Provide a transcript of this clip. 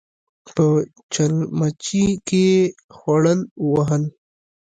په چلمچي کې يې خوړ وهل.